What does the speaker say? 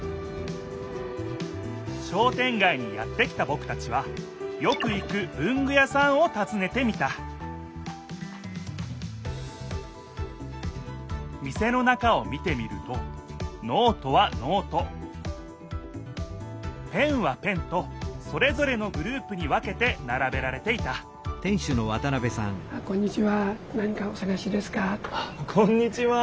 商店街にやって来たぼくたちはよく行く文具屋さんをたずねてみた店の中を見てみるとノートはノートペンはペンとそれぞれのグループに分けてならべられていたこんにちは。